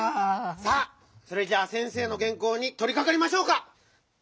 さあそれじゃあ先生のげんこうにとりかかりましょうか！